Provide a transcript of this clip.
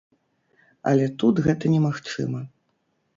Але тут гэта немагчыма.